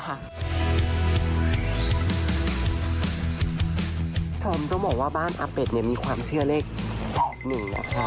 คุณผู้ชมต้องบอกว่าบ้านอาเป็ดเนี่ยมีความเชื่อเลข๘๑นะคะ